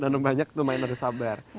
menanam banyak tuh main harus sabar